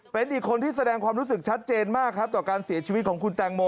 เป็นอีกคนที่แสดงความรู้สึกชัดเจนมากครับต่อการเสียชีวิตของคุณแตงโม